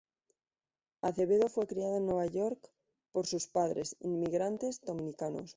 Acevedo fue criada en Nueva York por sus padres, inmigrantes dominicanos.